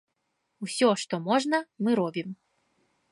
Усё, што можна, мы робім.